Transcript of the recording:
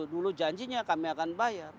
dulu janjinya kami akan bayar